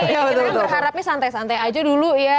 kita kan berharapnya santai santai aja dulu ya